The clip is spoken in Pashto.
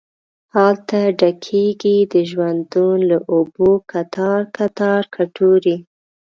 هلته ډکیږې د ژوندون له اوبو کتار، کتار کټوري